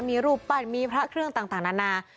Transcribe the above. มีรูปปั้นมีพระเครื่องต่างนานา